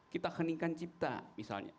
kita heningkan cipta misalnya